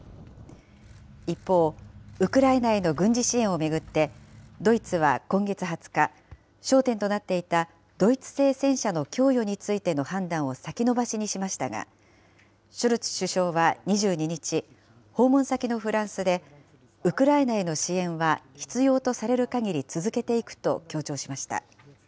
一方、ウクライナへの軍事支援を巡って、ドイツは今月２０日、焦点となっていたドイツ製戦車の供与についての判断を先延ばしにしましたが、ショルツ首相は２２日、訪問先のフランスで、ウクライナへの支援は、必要とされるかぎり続けていくと強調しました。